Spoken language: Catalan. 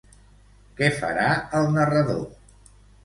Què farà el narrador?